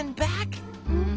うん。